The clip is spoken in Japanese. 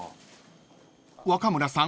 ［若村さん